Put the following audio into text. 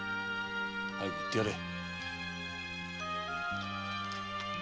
早く行ってやれ。